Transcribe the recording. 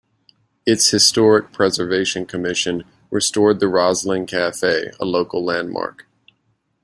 Its Historic Preservation Commission restored the Roslyn Cafe, a local landmark.